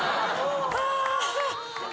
ああ。